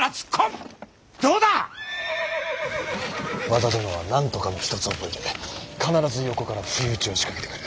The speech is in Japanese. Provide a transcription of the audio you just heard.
和田殿は何とかの一つ覚えで必ず横から不意打ちを仕掛けてくる。